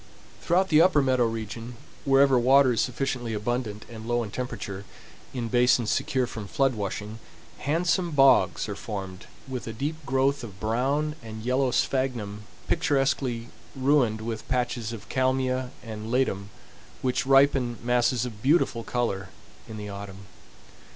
Throughout the upper meadow region, wherever water is sufficiently abundant and low in temperature, in basins secure from flood washing, handsome bogs are formed with a deep growth of brown and yellow sphagnum picturesquely ruined with patches of kalmia and ledum which ripen masses of beautiful color in the autumn.